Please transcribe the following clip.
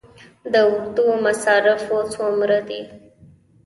د اردو مصارف څومره دي؟